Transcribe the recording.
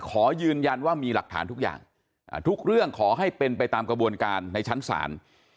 ขอยืนยันว่ามีหลักฐานทุกอย่างทุกเรื่องขอให้เป็นไปตามกระบวนการในชั้นศาล